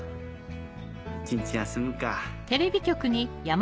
一日休むか。